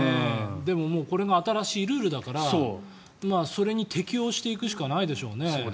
でも、これが新しいルールだからそれに適応していくしかないでしょうね。